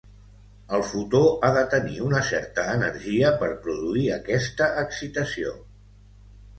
El fotó ha de tenir una certa energia per produir aquesta excitació.